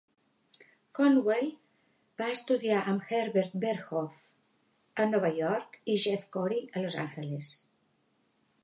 Conwell va estudiar amb Herbert Berghof a Nova York i Jeff Corey a Los Angeles.